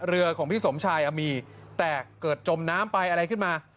ของพี่สมชายมีแต่เกิดจมน้ำไปอะไรขึ้นมา